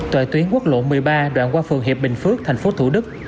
tại tuyến quốc lộ một mươi ba đoạn qua phường hiệp bình phước thành phố thủ đức